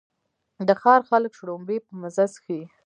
د ښار خلک شړومبې په مزه څښي.